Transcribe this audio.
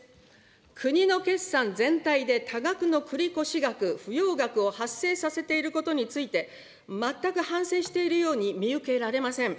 国の決算全体で多額の繰越額、不用額を発生させていることについて、全く反省しているように見受けられません。